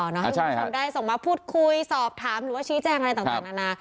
ให้คุณผู้ชมได้ส่งมาพูดคุยสอบถามหรือว่าชี้แจงอะไรต่างนานา